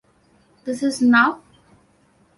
This Is Now.